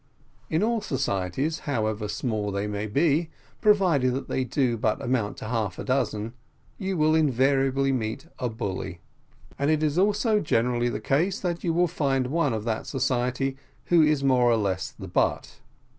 In all societies, however small they may be, provided that they do but amount to half a dozen, you will invariably meet with a bully. And it is also generally the case that you will find one of that society who is more or less the butt.